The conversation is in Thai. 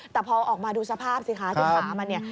แต่พอออกมาดูสภาพสิคะศึกษามันเนี่ย